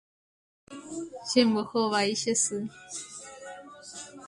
Chembohovái che sy.